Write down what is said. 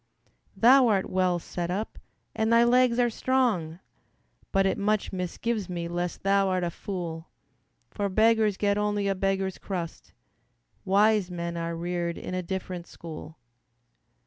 "Thou art well set up, and thy legs are strong, But it much misgives me lest thou'rt a fool; For beggars get only a beggar's crust, Wise men are reared in a different school."